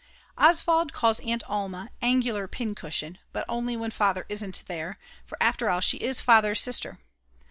Oswald calls Aunt Alma Angular Pincushion, but only when Father isn't there, for after all she is Father's sister.